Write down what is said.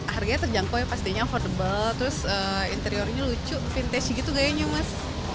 harganya terjangkau ya pastinya affordable terus interiornya lucu vintage gitu gayanya mas